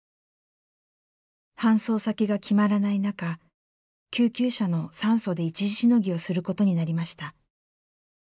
搬送先が決まらない中救急車の酸素で一時しのぎをすることになりました。